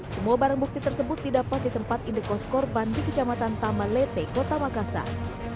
semua barang bukti tersebut didapat di tempat indekos korban di kecamatan tamalete kota makassar